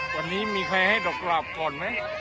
วันนี้มีใครให้ดอกกราบก่อนไหม